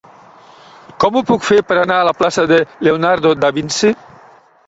Com ho puc fer per anar a la plaça de Leonardo da Vinci?